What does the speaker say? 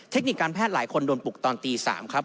เทคนิคการแพทย์หลายคนโดนปลุกตอนตี๓ครับ